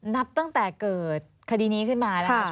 นับตั้งแต่เกิดคดีนี้ขึ้นมานะคะ